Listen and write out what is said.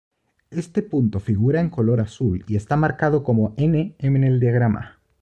Este punto figura en color azul y está marcado como "N" en el diagrama.